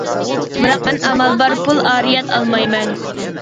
بىراق مەن ئامال بار پۇل ئارىيەت ئالمايمەن.